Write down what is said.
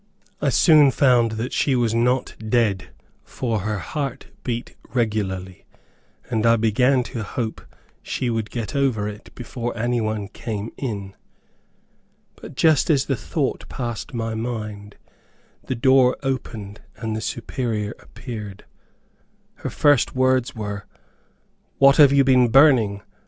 I soon found that she was not dead, for her heart beat regularly, and I began to hope she would get over it before any one came in. But just as the thought passed my mind, the door opened and the Superior appeared. Her first words were, "What have you been burning?